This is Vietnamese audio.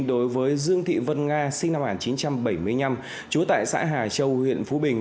đối với dương thị vân nga sinh năm một nghìn chín trăm bảy mươi năm trú tại xã hà châu huyện phú bình